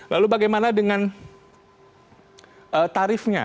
lalu bagaimana dengan tarifnya